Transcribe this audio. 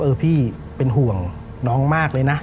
พี่เป็นห่วงน้องมากเลยนะ